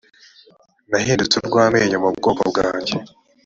nahindutse urwamenyo mu bwoko bwanjye.